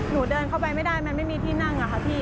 เดินเข้าไปไม่ได้มันไม่มีที่นั่งอะค่ะพี่